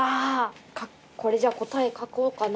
これじゃあ答え書こうかな。